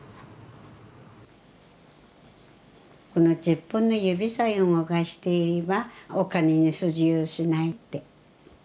この十本の指さえ動かしていればお金に不自由しないって。